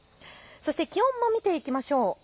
気温も見ていきましょう。